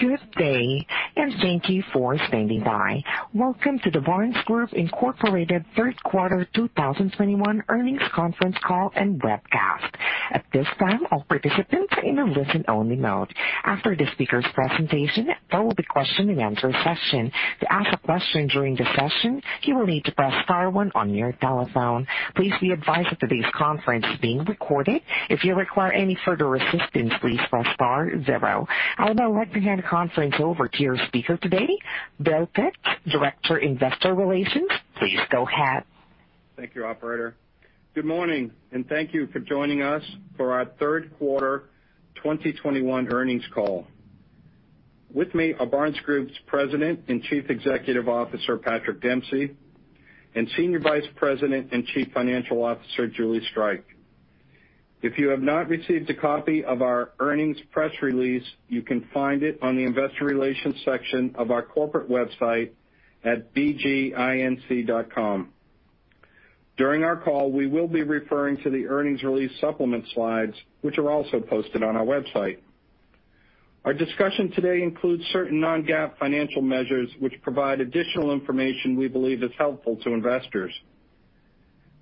Good day, and thank you for standing by. Welcome to the Barnes Group Incorporated Q3 2021 Earnings Conference Call and Webcast. At this time, all participants are in a listen only mode. After the speaker's presentation, there will be question and answer session. To ask a question during the session, you will need to press star one on your telephone. Please be advised that today's conference is being recorded. If you require any further assistance, please press star zero. I would now like to hand the conference over to your speaker today, Bill Pitts, Director, Investor Relations. Please go ahead. Thank you, operator. Good morning, and thank you for joining us for our Q3 2021 Earnings Call. With me are Barnes Group's President and Chief Executive Officer, Patrick Dempsey, and Senior Vice President and Chief Financial Officer, Julie Streich. If you have not received a copy of our earnings press release, you can find it on the investor relations section of our corporate website at bginc.com. During our call, we will be referring to the earnings release supplement slides, which are also posted on our website. Our discussion today includes certain non-GAAP financial measures which provide additional information we believe is helpful to investors.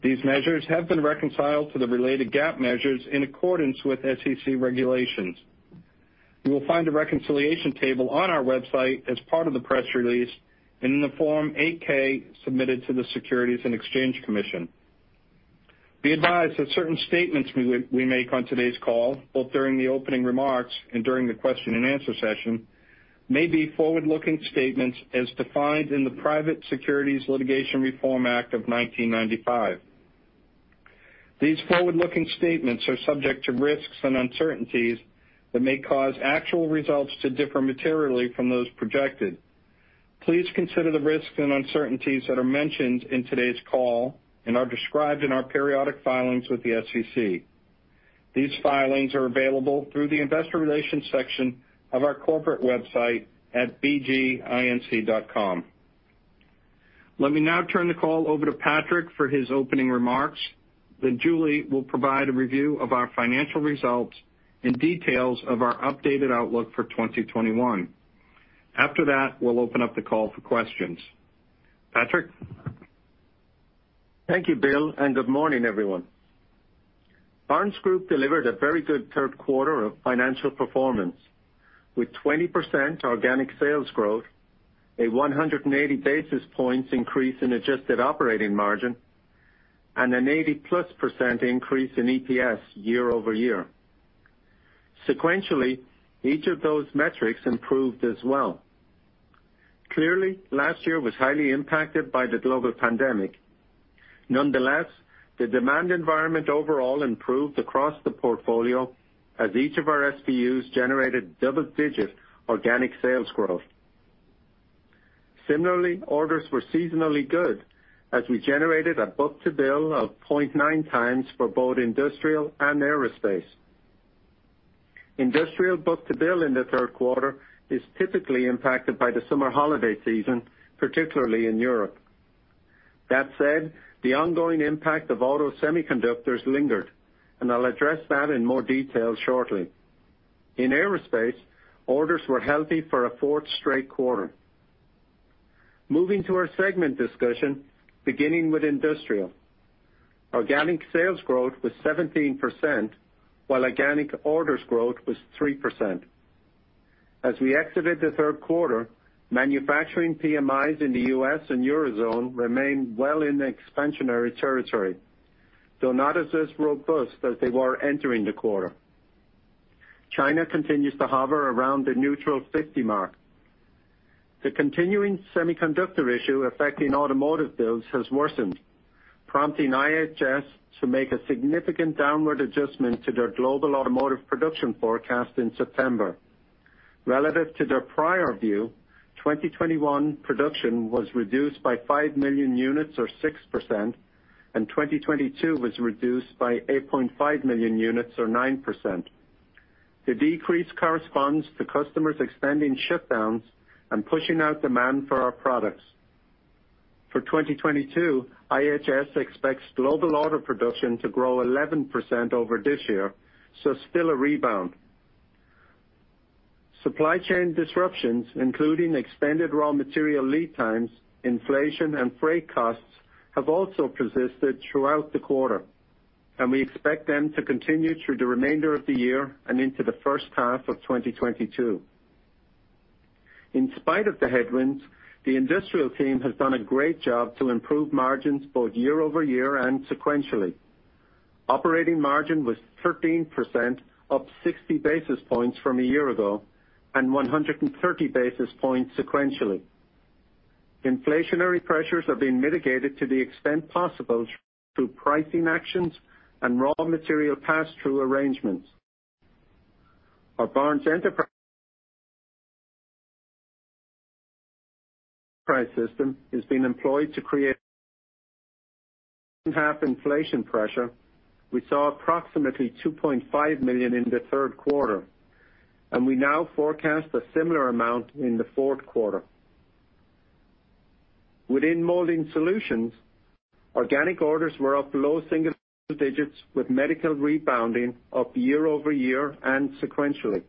These measures have been reconciled to the related GAAP measures in accordance with SEC regulations. You will find a reconciliation table on our website as part of the press release and in the Form 8-K submitted to the Securities and Exchange Commission. Be advised that certain statements we make on today's call, both during the opening remarks and during the question and answer session, may be forward-looking statements as defined in the Private Securities Litigation Reform Act of 1995. These forward-looking statements are subject to risks and uncertainties that may cause actual results to differ materially from those projected. Please consider the risks and uncertainties that are mentioned in today's call and are described in our periodic filings with the SEC. These filings are available through the investor relations section of our corporate website at bginc.com. Let me now turn the call over to Patrick for his opening remarks, then Julie will provide a review of our financial results and details of our updated outlook for 2021. After that, we'll open up the call for questions. Patrick. Thank you, Bill, and good morning, everyone. Barnes Group delivered a very good Q3 of financial performance, with 20% organic sales growth, a 180 basis points increase in adjusted operating margin, and an 80%+ increase in EPS year over year. Sequentially, each of those metrics improved as well. Clearly, last year was highly impacted by the global pandemic. Nonetheless, the demand environment overall improved across the portfolio as each of our SBUs generated double-digit organic sales growth. Similarly, orders were seasonally good as we generated a book-to-bill of 0.9x for both industrial and aerospace. Industrial book-to-bill in Q3 is typically impacted by the summer holiday season, particularly in Europe. That said, the ongoing impact of auto semiconductors lingered, and I'll address that in more detail shortly. In aerospace, orders were healthy for a fourth straight quarter. Moving to our segment discussion, beginning with industrial. Organic sales growth was 17%, while organic orders growth was 3%. As we exited Q3, manufacturing PMIs in the U.S. and Eurozone remained well in expansionary territory, though not as robust as they were entering the quarter. China continues to hover around the neutral 50 mark. The continuing semiconductor issue affecting automotive builds has worsened, prompting IHS to make a significant downward adjustment to their global automotive production forecast in September. Relative to their prior view, 2021 production was reduced by five million units or 6%, and 2022 was reduced by 8.5 million units or 9%. The decrease corresponds to customers extending shutdowns and pushing out demand for our products. For 2022, IHS expects global auto production to grow 11% over this year, so still a rebound. Supply chain disruptions, including extended raw material lead times, inflation, and freight costs, have also persisted throughout the quarter, and we expect them to continue through the remainder of the year and into the first half of 2022. In spite of the headwinds, the industrial team has done a great job to improve margins both year-over-year and sequentially. Operating margin was 13%, up 60 basis points from a year ago, and 130 basis points sequentially. Inflationary pressures are being mitigated to the extent possible through pricing actions and raw material pass-through arrangements. Our Barnes Enterprise System has been employed to capture half inflation pressure. We saw approximately $2.5 million in Q3, and we now forecast a similar amount in Q4. Within Molding Solutions, organic orders were up low single digits with medical rebounding up year-over-year and sequentially.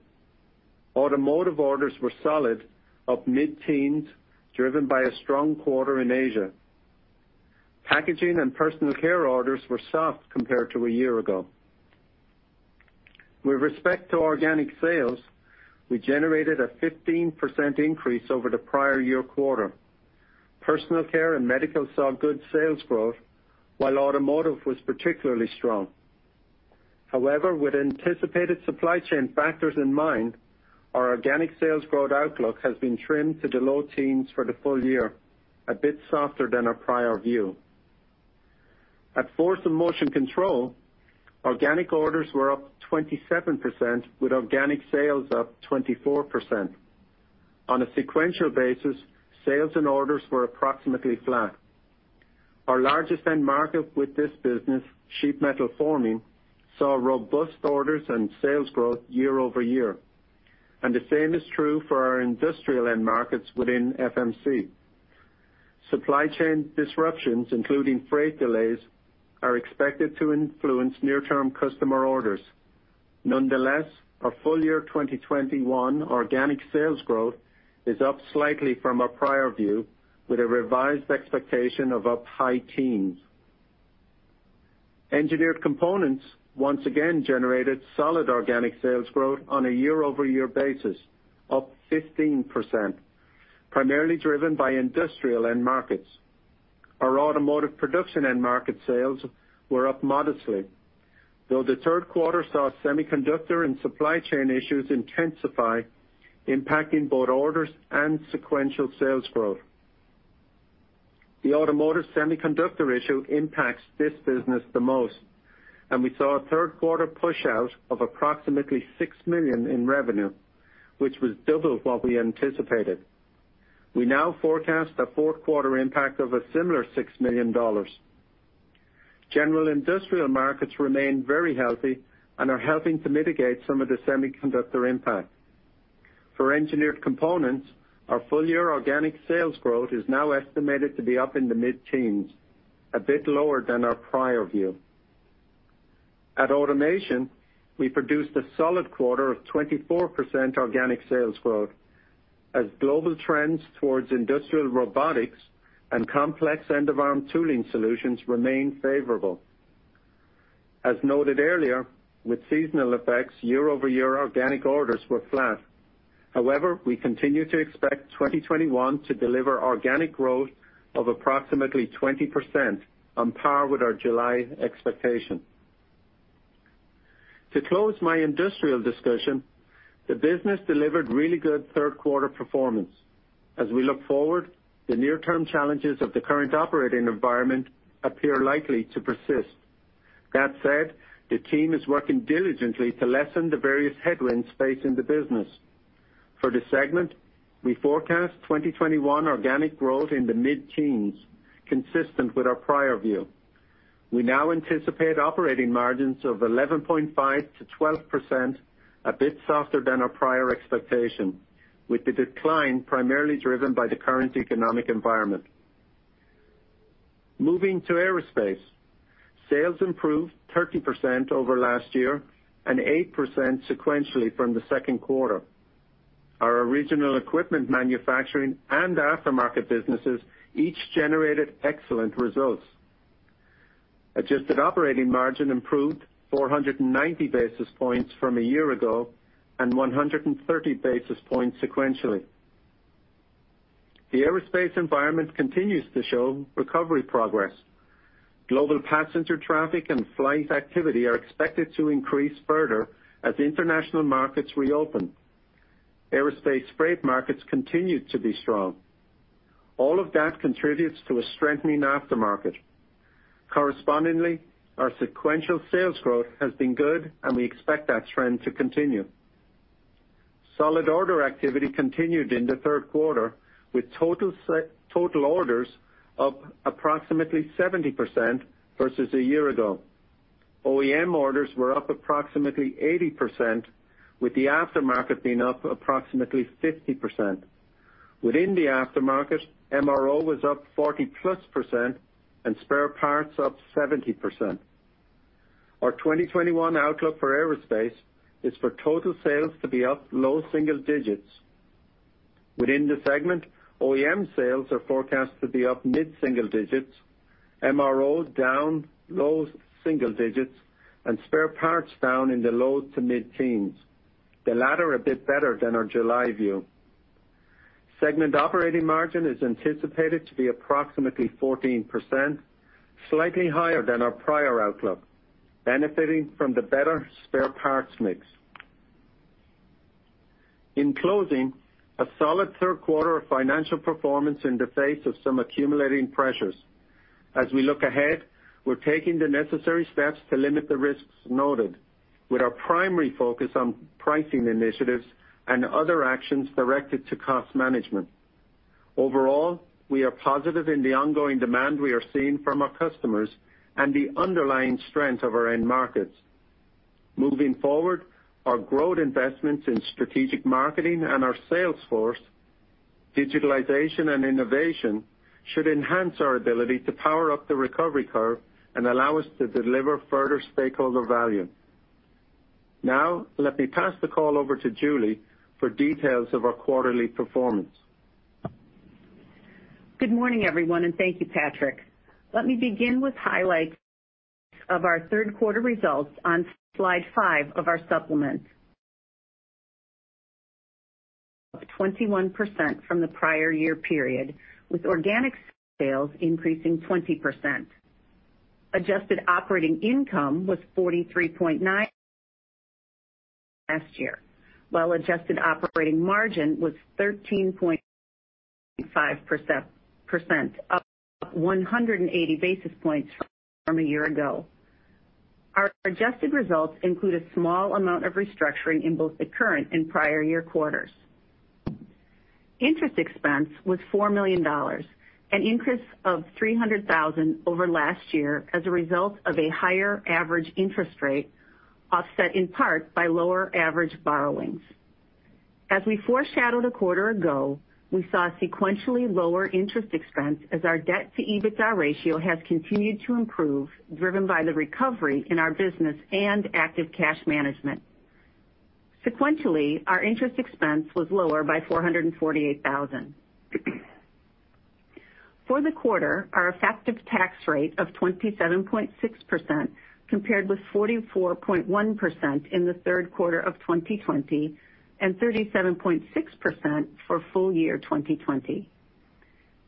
Automotive orders were solid up mid-teens, driven by a strong quarter in Asia. Packaging and personal care orders were soft compared to a year ago. With respect to organic sales, we generated a 15% increase over the prior year quarter. Personal care and medical saw good sales growth, while automotive was particularly strong. However, with anticipated supply chain factors in mind, our organic sales growth outlook has been trimmed to the low teens for the full year, a bit softer than our prior view. At Force & Motion Control, organic orders were up 27% with organic sales up 24%. On a sequential basis, sales and orders were approximately flat. Our largest end market with this business, sheet metal forming, saw robust orders and sales growth year-over-year, and the same is true for our industrial end markets within FMC. Supply chain disruptions, including freight delays, are expected to influence near-term customer orders. Nonetheless, our full-year 2021 organic sales growth is up slightly from our prior view with a revised expectation of up high teens. Engineered Components once again generated solid organic sales growth on a year-over-year basis, up 15%, primarily driven by industrial end markets. Our automotive production end market sales were up modestly, though Q3 saw semiconductor and supply chain issues intensify, impacting both orders and sequential sales growth. The automotive semiconductor issue impacts this business the most, and we saw a Q3 push out of approximately $6 million in revenue, which was double what we anticipated. We now forecast a Q4 impact of a similar $6 million. General industrial markets remain very healthy and are helping to mitigate some of the semiconductor impact. For Engineered Components, our full year organic sales growth is now estimated to be up in the mid-teens, a bit lower than our prior view. At Automation, we produced a solid quarter of 24% organic sales growth as global trends towards industrial robotics and complex end-of-arm tooling solutions remain favorable. As noted earlier, with seasonal effects, year-over-year organic orders were flat. However, we continue to expect 2021 to deliver organic growth of approximately 20% on par with our July expectation. To close my Industrial discussion, the business delivered really good Q3 performance. As we look forward, the near term challenges of the current operating environment appear likely to persist. That said, the team is working diligently to lessen the various headwinds facing the business. For the segment, we forecast 2021 organic growth in the mid-teens, consistent with our prior view. We now anticipate operating margins of 11.5%-12%, a bit softer than our prior expectation, with the decline primarily driven by the current economic environment. Moving to Aerospace. Sales improved 30% over last year and 8% sequentially from Q2. Our original equipment manufacturing and aftermarket businesses each generated excellent results. Adjusted operating margin improved 490 basis points from a year ago and 130 basis points sequentially. The aerospace environment continues to show recovery progress. Global passenger traffic and flight activity are expected to increase further as international markets reopen. Aerospace freight markets continue to be strong. All of that contributes to a strengthening aftermarket. Correspondingly, our sequential sales growth has been good, and we expect that trend to continue. Solid order activity continued in Q3, with total orders up approximately 70% versus a year ago. OEM orders were up approximately 80%, with the aftermarket being up approximately 50%. Within the aftermarket, MRO was up 40%+ and spare parts up 70%. Our 2021 outlook for Aerospace is for total sales to be up low single digits. Within the segment, OEM sales are forecast to be up mid-single digits, MRO down low single digits, and spare parts down in the low to mid-teens. The latter a bit better than our July view. Segment operating margin is anticipated to be approximately 14%, slightly higher than our prior outlook, benefiting from the better spare parts mix. In closing, a solid Q3 of financial performance in the face of some accumulating pressures. As we look ahead, we're taking the necessary steps to limit the risks noted with our primary focus on pricing initiatives and other actions directed to cost management. Overall, we are positive in the ongoing demand we are seeing from our customers and the underlying strength of our end markets. Moving forward, our growth investments in strategic marketing and our sales force, digitalization and innovation should enhance our ability to power up the recovery curve and allow us to deliver further stakeholder value. Now let me pass the call over to Julie for details of our quarterly performance. Good morning, everyone, and thank you, Patrick. Let me begin with highlights of our Q3 results on slide five of our supplement. 21% from the prior year period, with organic sales increasing 20%. Adjusted operating income was $43.9 last year, while adjusted operating margin was 13.5%, up 180 basis points from a year ago. Our adjusted results include a small amount of restructuring in both the current and prior year quarters. Interest expense was $4 million, an increase of 300,000 over last year as a result of a higher average interest rate, offset in part by lower average borrowings. As we foreshadowed a quarter ago, we saw sequentially lower interest expense as our debt to EBITDA ratio has continued to improve, driven by the recovery in our business and active cash management. Sequentially, our interest expense was lower by $448,000. For the quarter, our effective tax rate of 27.6% compared with 44.1% in Q3 of 2020 and 37.6% for full year 2020.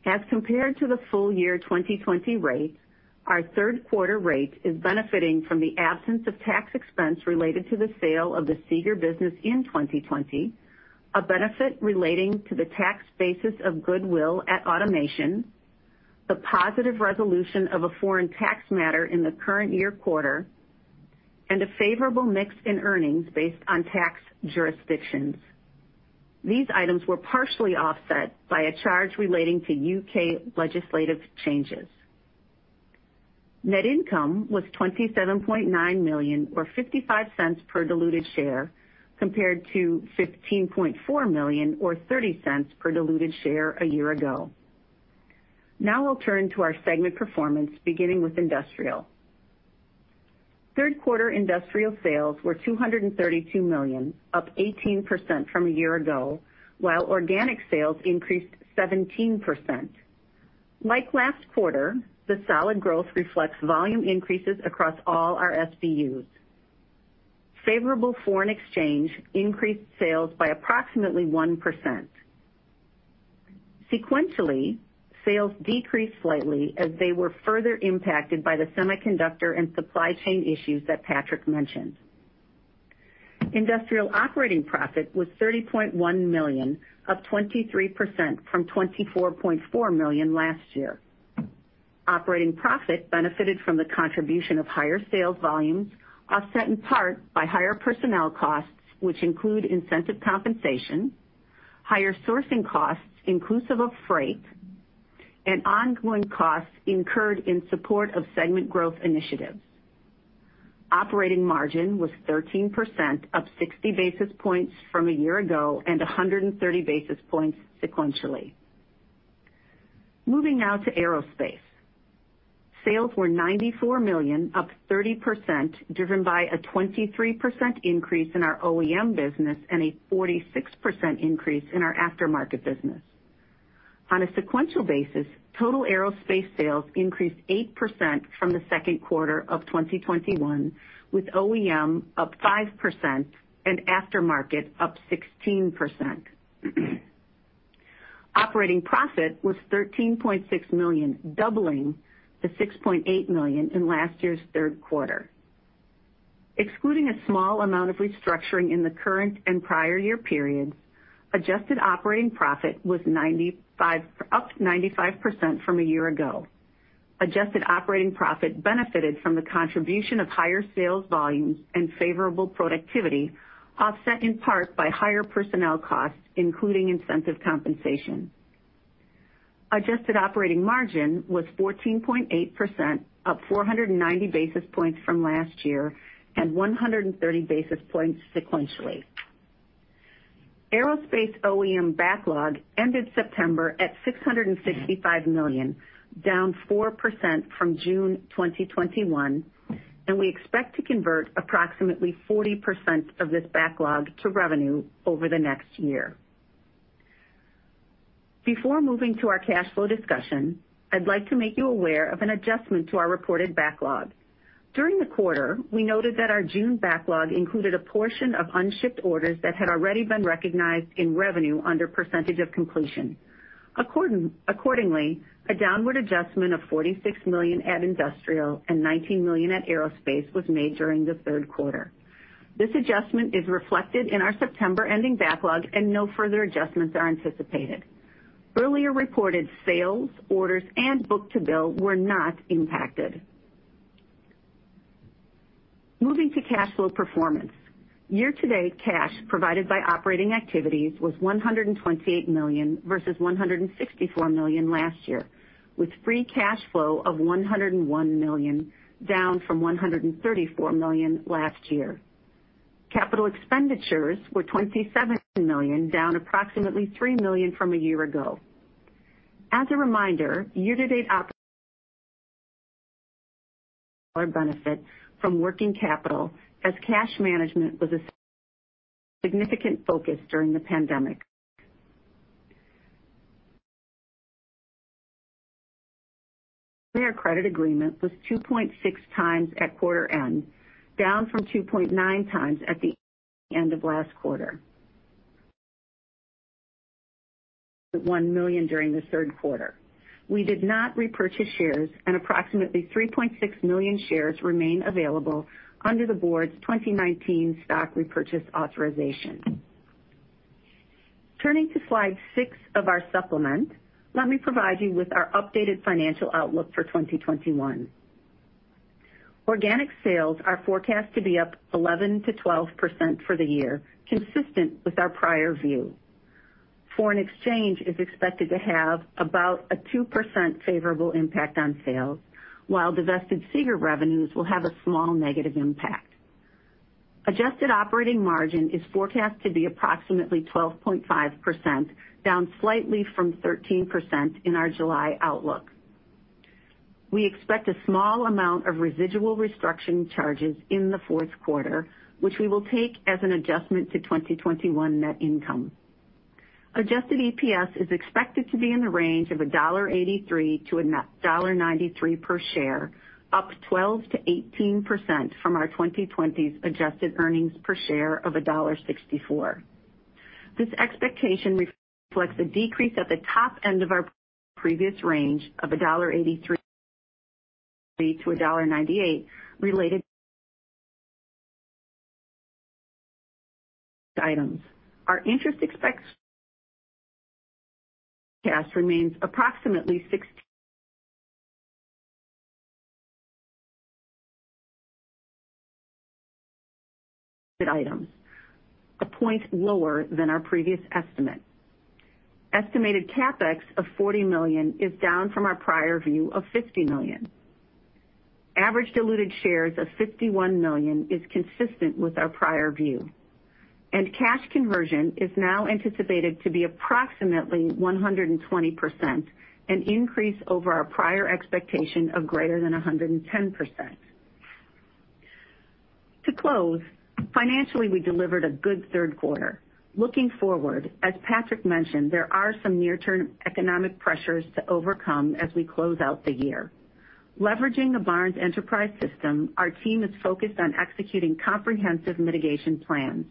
As compared to the full year 2020 rate, our Q3 rate is benefiting from the absence of tax expense related to the sale of the Seeger business in 2020, a benefit relating to the tax basis of goodwill at Automation, the positive resolution of a foreign tax matter in the current year quarter, and a favorable mix in earnings based on tax jurisdictions. These items were partially offset by a charge relating to U.K. legislative changes. Net income was $27.9 million or 0.55 per diluted share, compared to $15.4 million or 0.30 per diluted share a year ago. Now we'll turn to our segment performance, beginning with Industrial. Q3 Industrial sales were $232 million, up 18% from a year ago, while organic sales increased 17%. Like last quarter, the solid growth reflects volume increases across all our SBUs. Favorable foreign exchange increased sales by approximately 1%. Sequentially, sales decreased slightly as they were further impacted by the semiconductor and supply chain issues that Patrick mentioned. Industrial operating profit was $30.1 million, up 23% from 24.4 million last year. Operating profit benefited from the contribution of higher sales volumes, offset in part by higher personnel costs, which include incentive compensation, higher sourcing costs inclusive of freight, and ongoing costs incurred in support of segment growth initiatives. Operating margin was 13%, up 60 basis points from a year ago and 130 basis points sequentially. Moving now to Aerospace. Sales were $94 million, up 30%, driven by a 23% increase in our OEM business and a 46% increase in our aftermarket business. On a sequential basis, total Aerospace sales increased 8% from Q2 of 2021, with OEM up 5% and aftermarket up 16%. Operating profit was $13.6 million, doubling the 6.8 million in last year's Q3. Excluding a small amount of restructuring in the current and prior year periods, adjusted operating profit was $95, up 95% from a year ago. Adjusted operating profit benefited from the contribution of higher sales volumes and favorable productivity, offset in part by higher personnel costs, including incentive compensation. Adjusted operating margin was 14.8%, up 490 basis points from last year and 130 basis points sequentially. Aerospace OEM backlog ended September at $665 million, down 4% from June 2021, and we expect to convert approximately 40% of this backlog to revenue over the next year. Before moving to our cash flow discussion, I'd like to make you aware of an adjustment to our reported backlog. During the quarter, we noted that our June backlog included a portion of unshipped orders that had already been recognized in revenue under percentage of completion. Accordingly, a downward adjustment of $46 million at Industrial and 19 million at Aerospace was made during Q3. This adjustment is reflected in our September ending backlog and no further adjustments are anticipated. Earlier reported sales, orders, and book-to-bill were not impacted. Moving to cash flow performance. Year-to-date cash provided by operating activities was $128 versus 164 million last year, with free cash flow of 101 million, down from $134 million last year. Capital expenditures were $27 million, down approximately 3 million from a year ago. As a reminder, year-to-date operating benefit from working capital, as cash management was a significant focus during the pandemic. Their credit agreement was 2.6 times at quarter end, down from 2.9x at the end of last quarter. $1 million during Q3. We did not repurchase shares, and approximately 3.6 million shares remain available under the board's 2019 stock repurchase authorization. Turning to slide six of our supplement, let me provide you with our updated financial outlook for 2021. Organic sales are forecast to be up 11%-12% for the year, consistent with our prior view. Foreign exchange is expected to have about a 2% favorable impact on sales, while divested Seeger revenues will have a small negative impact. Adjusted operating margin is forecast to be approximately 12.5%, down slightly from 13% in our July outlook. We expect a small amount of residual restructuring charges in Q4, which we will take as an adjustment to 2021 net income. Adjusted EPS is expected to be in the range of $1.83-1.93 per share, up 12%-18% from our 2020's adjusted earnings per share of $1.64. This expectation reflects a decrease at the top end of our previous range of $1.83-1.98 related items. Our interest expense remains approximately $60 million, 1 million lower than our previous estimate. Estimated CapEx of $40 million is down from our prior view of 50 million. Average diluted shares of 51 million is consistent with our prior view. Cash conversion is now anticipated to be approximately 120%, an increase over our prior expectation of greater than 110%. To close, financially, we delivered a good Q3. Looking forward, as Patrick mentioned, there are some near-term economic pressures to overcome as we close out the year. Leveraging the Barnes Enterprise System, our team is focused on executing comprehensive mitigation plans.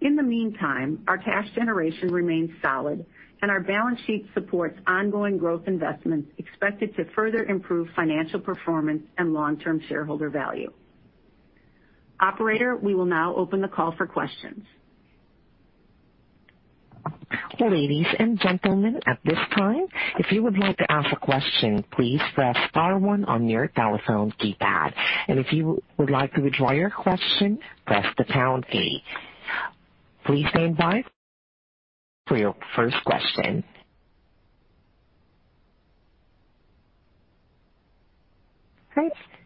In the meantime, our cash generation remains solid and our balance sheet supports ongoing growth investments expected to further improve financial performance and long-term shareholder value. Operator, we will now open the call for questions. Ladies and gentlemen, at this time, if you would like to ask a question, please press star one on your telephone keypad. If you would like to withdraw your question, press the pound key. Please stand by for your first question.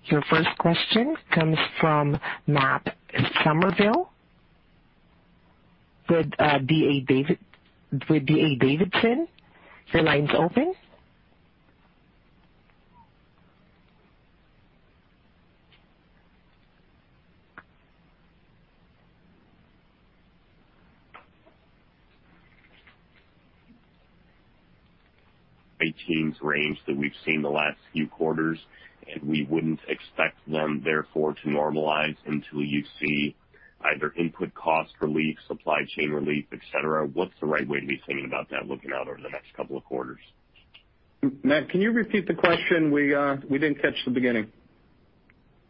Your first question comes from Matt Summerville with D.A. Davidson. Your line's open. .....teens range that we've seen the last few quarters, and we wouldn't expect them therefore to normalize until you see either input cost relief, supply chain relief, et cetera. What's the right way to be thinking about that looking out over the next couple of quarters? Matt, can you repeat the question? We didn't catch the beginning.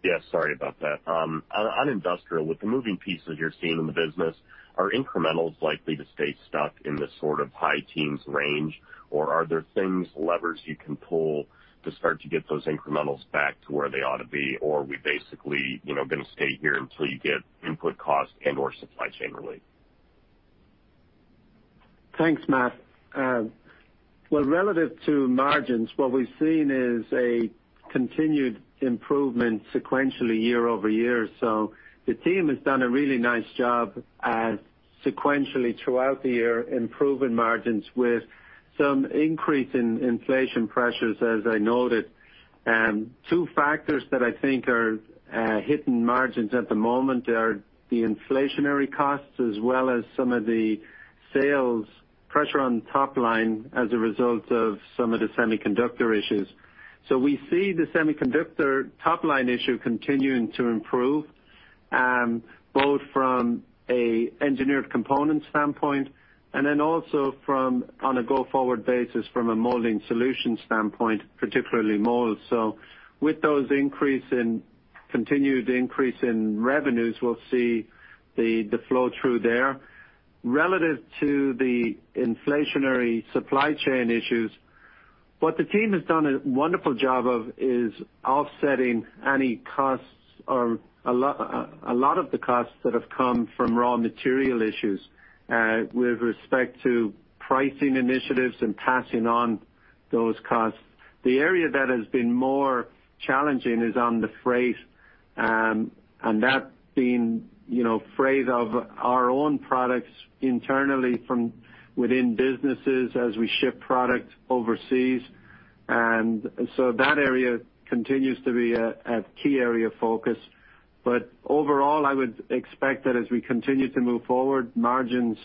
Yeah, sorry about that. On industrial, with the moving pieces you're seeing in the business, are incrementals likely to stay stuck in this sort of high teens range? Or are there things, levers you can pull to start to get those incrementals back to where they ought to be? Or are we basically, you know, gonna stay here until you get input cost and/or supply chain relief? Thanks, Matt. Well, relative to margins, what we've seen is a continued improvement sequentially year over year. The team has done a really nice job at sequentially throughout the year, improving margins with some increase in inflation pressures, as I noted. Two factors that I think are hitting margins at the moment are the inflationary costs as well as some of the sales pressure on the top line as a result of some of the semiconductor issues. We see the semiconductor top line issue continuing to improve, both from an Engineered Components standpoint and then also from, on a go-forward basis from a Molding Solutions standpoint, particularly mold. With those continued increase in revenues, we'll see the flow through there. Relative to the inflationary supply chain issues, what the team has done a wonderful job of is offsetting any costs or a lot of the costs that have come from raw material issues with respect to pricing initiatives and passing on those costs. The area that has been more challenging is on the freight, and that being, you know, freight of our own products internally from within businesses as we ship product overseas. That area continues to be a key area of focus. Overall, I would expect that as we continue to move forward, margins,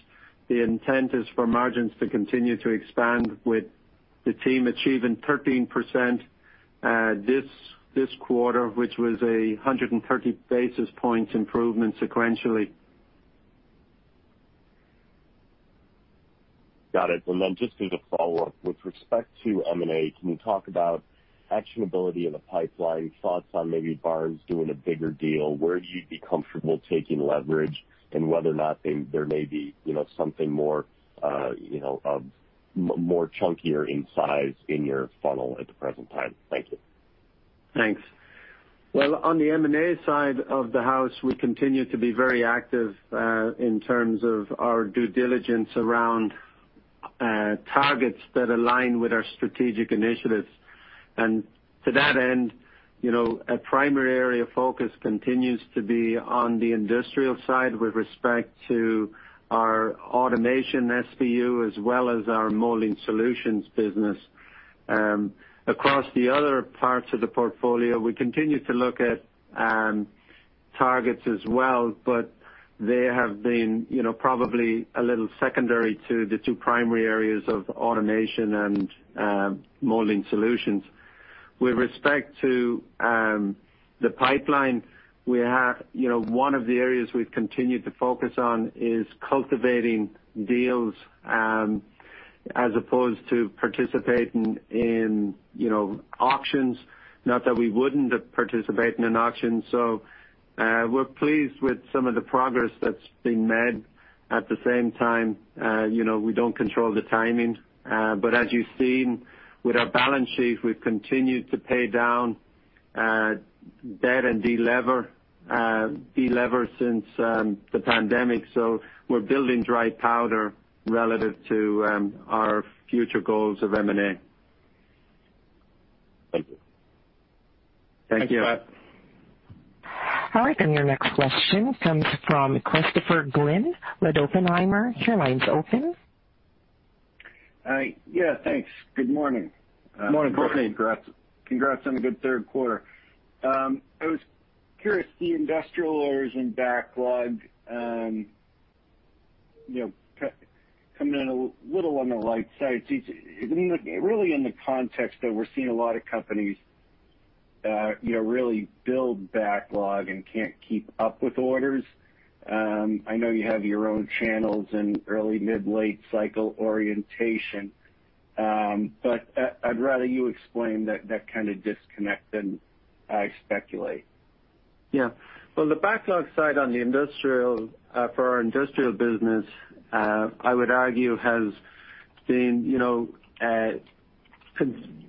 the intent is for margins to continue to expand with the team achieving 13% this quarter, which was 130 basis points improvement sequentially. Got it. Just as a follow-up, with respect to M&A, can you talk about actionability in the pipeline, thoughts on maybe Barnes doing a bigger deal? Where do you be comfortable taking leverage, and whether or not there may be, you know, something more, you know, more chunkier in size in your funnel at the present time? Thank you. Thanks. Well, on the M&A side of the house, we continue to be very active in terms of our due diligence around targets that align with our strategic initiatives. To that end, you know, a primary area of focus continues to be on the industrial side with respect to our Automation SBU as well as our Molding Solutions business. Across the other parts of the portfolio, we continue to look at targets as well, but they have been, you know, probably a little secondary to the two primary areas of Automation and Molding Solutions. With respect to the pipeline, we have, you know, one of the areas we've continued to focus on is cultivating deals as opposed to participating in, you know, auctions. Not that we wouldn't participate in an auction. We're pleased with some of the progress that's been made. At the same time, you know, we don't control the timing. As you've seen with our balance sheet, we've continued to pay down debt and delever since the pandemic. We're building dry powder relative to our future goals of M&A. Thank you. Thank you. Thanks, Pat. All right. Your next question comes from Christopher Glynn with Oppenheimer. Your line's open. Yeah, thanks. Good morning. Morning. Congrats on a good Q3. I was curious, the industrial orders and backlog, you know, coming in a little on the light side. I mean, really in the context of we're seeing a lot of companies, you know, really build backlog and can't keep up with orders. I know you have your own channels in early, mid, late cycle orientation. I'd rather you explain that kind of disconnect than I speculate. Yeah. Well, the backlog side on the industrial, for our industrial business, I would argue has been, you know,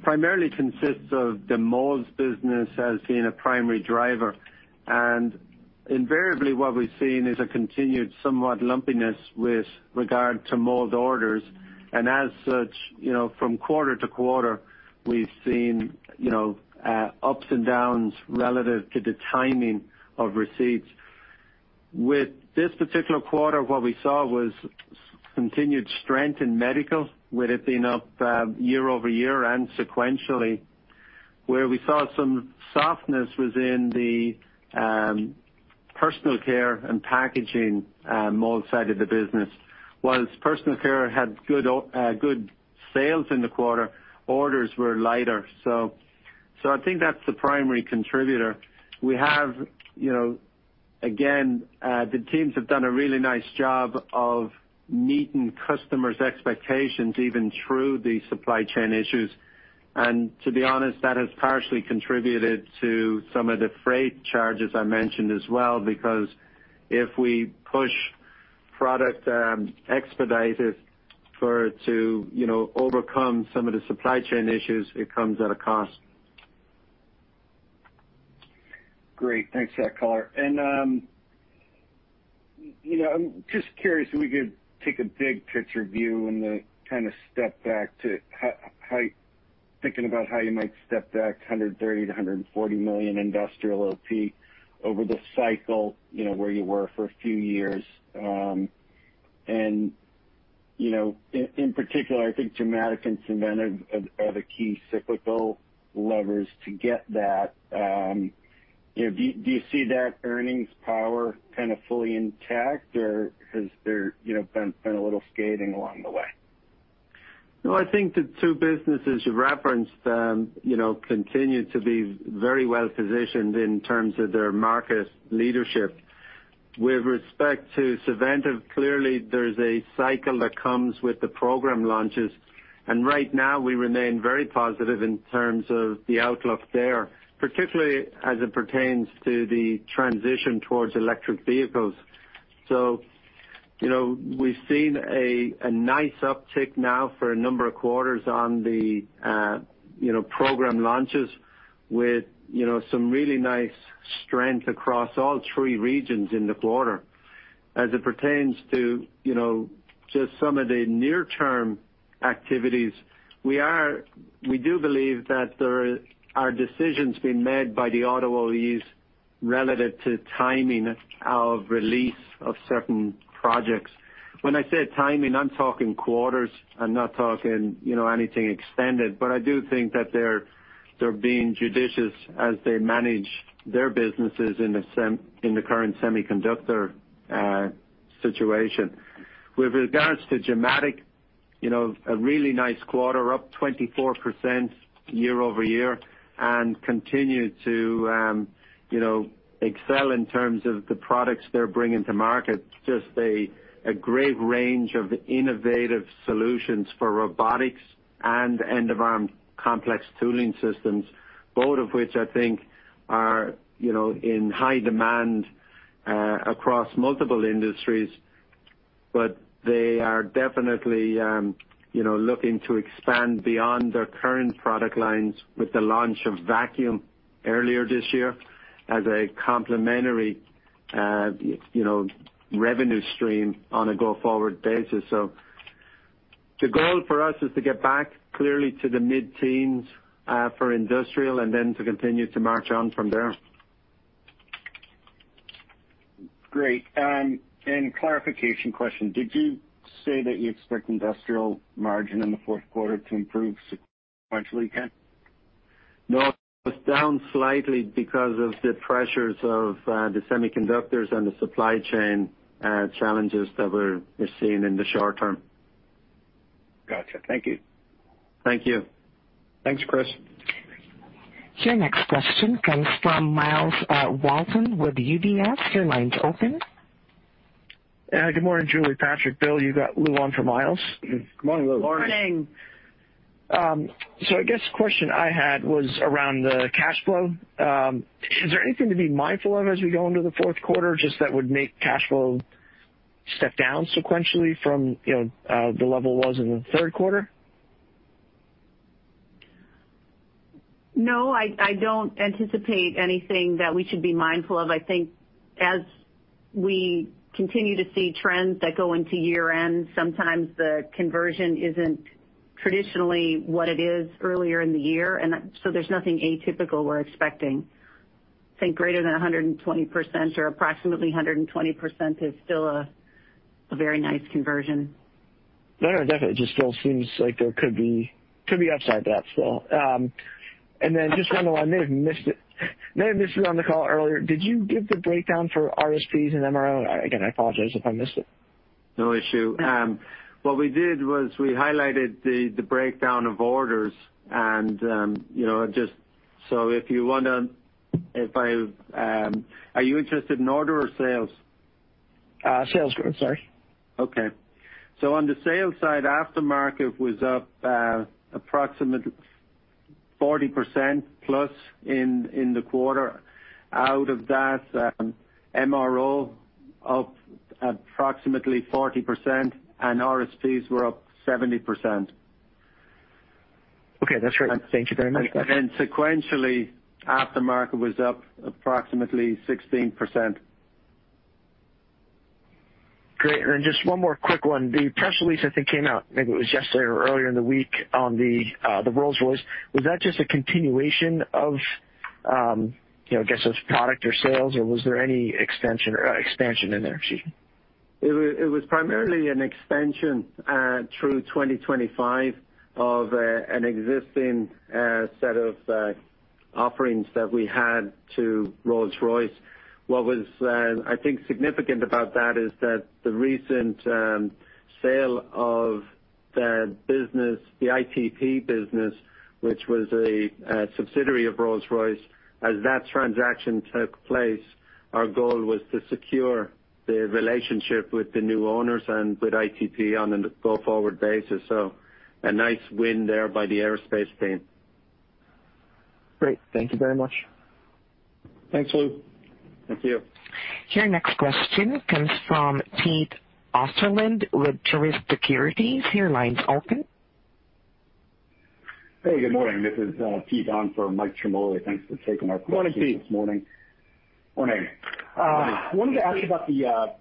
primarily consists of the molds business as being a primary driver. Invariably what we've seen is a continued somewhat lumpiness with regard to mold orders. As such, you know, from quarter to quarter, we've seen, you know, ups and downs relative to the timing of receipts. With this particular quarter, what we saw was continued strength in medical, with it being up, year over year and sequentially. Where we saw some softness was in the, personal care and packaging, mold side of the business. While personal care had good sales in the quarter, orders were lighter. I think that's the primary contributor. We have, you know, again, the teams have done a really nice job of meeting customers' expectations even through the supply chain issues. To be honest, that has partially contributed to some of the freight charges I mentioned as well, because if we push product expedited for it to, you know, overcome some of the supply chain issues, it comes at a cost. Great. Thanks for that color. You know, I'm just curious if we could take a big picture view and kind of step back to thinking about how you might step back $130 million-$140 million industrial OP over the cycle, you know, where you were for a few years. In particular, I think Gimatic and Synventive are the key cyclical levers to get that. You know, do you see that earnings power kind of fully intact, or has there, you know, been a little skating along the way? No, I think the two businesses you've referenced, you know, continue to be very well positioned in terms of their market leadership. With respect to Synventive, clearly there's a cycle that comes with the program launches. Right now we remain very positive in terms of the outlook there, particularly as it pertains to the transition towards electric vehicles. You know, we've seen a nice uptick now for a number of quarters on the, you know, program launches with, you know, some really nice strength across all three regions in the quarter. As it pertains to, you know, just some of the near term activities, we do believe that there are decisions being made by the auto OEs relative to timing of release of certain projects. When I say timing, I'm talking quarters. I'm not talking, you know, anything extended, but I do think that they're being judicious as they manage their businesses in the current semiconductor situation. With regards to Gimatic, you know, a really nice quarter, up 24% year-over-year, and continue to, you know, excel in terms of the products they're bringing to market. Just a great range of innovative solutions for robotics and end-of-arm complex tooling systems, both of which I think are, you know, in high demand across multiple industries. But they are definitely, you know, looking to expand beyond their current product lines with the launch of vacuum earlier this year as a complementary, you know, revenue stream on a go-forward basis. The goal for us is to get back clearly to the mid-teens for industrial and then to continue to march on from there. Great. Clarification question. Did you say that you expect industrial margin in Q4 to improve sequentially again? No, it's down slightly because of the pressures of the semiconductors and the supply chain challenges that we're seeing in the short term. Gotcha. Thank you. Thank you. Thanks, Chris. Your next question comes from Myles Walton with UBS. Your line's open. Good morning, Julie, Patrick, Bill. You got Lou Arcangeli on for Myles. Good morning, Lou. Morning. I guess the question I had was around the cash flow. Is there anything to be mindful of as we go into the fourth quarter, just that would make cash flow step down sequentially from, you know, the level it was in Q3? No, I don't anticipate anything that we should be mindful of. I think as we continue to see trends that go into year end, sometimes the conversion isn't traditionally what it is earlier in the year. There's nothing atypical we're expecting. I think greater than 120% or approximately 120% is still a very nice conversion. No, no, definitely. It just still seems like there could be upside that still. Then just one other one. I may have missed it on the call earlier. Did you give the breakdown for RSPs and MRO? Again, I apologize if I missed it. No issue. What we did was we highlighted the breakdown of orders and, you know, just so if you wanna. Are you interested in order or sales? Sales growth, sorry. Okay. On the sales side, aftermarket was up approximately 40%+ in the quarter. Out of that, MRO up approximately 40% and RSPs were up 70%. Okay, that's great. Thank you very much. Sequentially, aftermarket was up approximately 16%. Great. Then just one more quick one. The press release I think came out, maybe it was yesterday or earlier in the week on the Rolls-Royce. Was that just a continuation of, you know, I guess, of product or sales, or was there any expansion in there? Excuse me. It was primarily an expansion through 2025 of an existing set of offerings that we had to Rolls-Royce. What was, I think, significant about that is that the recent sale of the business, the ITP Aero business, which was a subsidiary of Rolls-Royce, as that transaction took place, our goal was to secure the relationship with the new owners and with ITP Aero on a go-forward basis. A nice win there by the aerospace team. Great. Thank you very much. Thanks, Lou. Thank you. Your next question comes from Pete Osterland with Truist Securities. Your line's open. Hey, good morning. This is Pete on for Michael Ciarmoli. Thanks for taking my question this morning. Morning, Pete. Morning. Wanted to ask you about the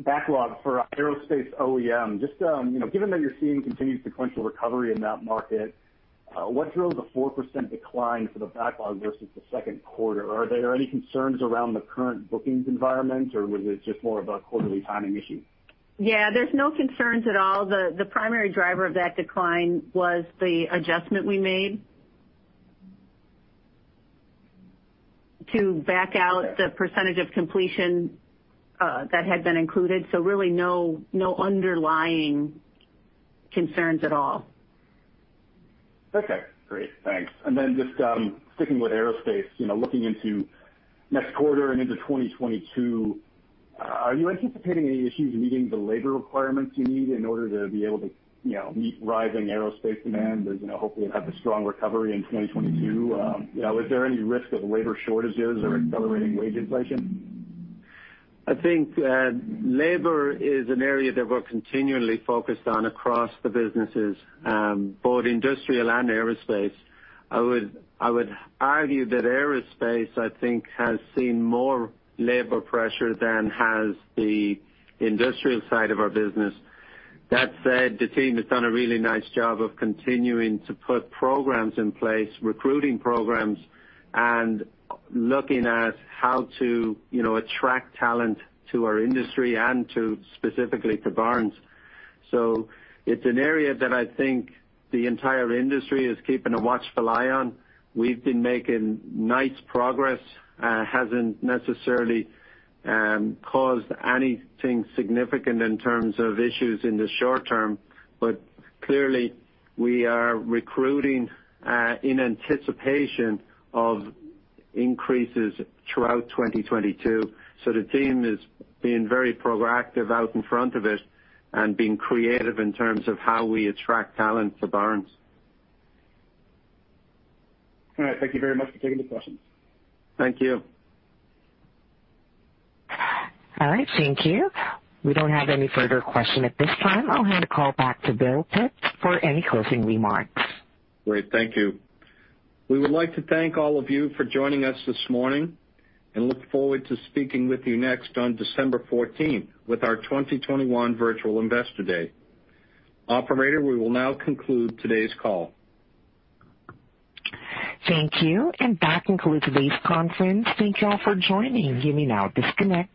backlog for aerospace OEM. Just, you know, given that you're seeing continued sequential recovery in that market, what drove the 4% decline for the backlog versus the second quarter? Are there any concerns around the current bookings environment, or was it just more of a quarterly timing issue? Yeah, there's no concerns at all. The primary driver of that decline was the adjustment we made to back out the percentage of completion that had been included. Really no underlying concerns at all. Okay, great. Thanks. Just sticking with aerospace, you know, looking into next quarter and into 2022, are you anticipating any issues meeting the labor requirements you need in order to be able to, you know, meet rising aerospace demand as, you know, hopefully have a strong recovery in 2022? You know, is there any risk of labor shortages or accelerating wage inflation? I think labor is an area that we're continually focused on across the businesses, both industrial and aerospace. I would argue that aerospace, I think, has seen more labor pressure than has the industrial side of our business. That said, the team has done a really nice job of continuing to put programs in place, recruiting programs, and looking at how to, you know, attract talent to our industry and to specifically to Barnes. It's an area that I think the entire industry is keeping a watchful eye on. We've been making nice progress. Hasn't necessarily caused anything significant in terms of issues in the short term, but clearly we are recruiting in anticipation of increases throughout 2022. The team is being very proactive out in front of it and being creative in terms of how we attract talent to Barnes. All right. Thank you very much for taking the questions. Thank you. All right. Thank you. We don't have any further question at this time. I'll hand the call back to Bill Pitts for any closing remarks. Great. Thank you. We would like to thank all of you for joining us this morning and look forward to speaking with you next on December 14 with our 2021 virtual Investor Day. Operator, we will now conclude today's call. Thank you. That concludes today's conference. Thank you all for joining. You may now disconnect.